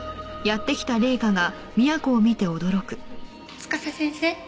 司先生